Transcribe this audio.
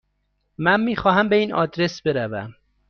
من میخواهم به این آدرس بروم.